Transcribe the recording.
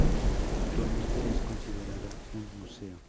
Actualmente es considerada un museo.